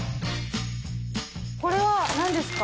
これはなんですか？